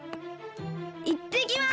いってきます！